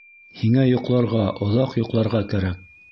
Һиңә йоҡларға, оҙаҡ йоҡларға кәрәк.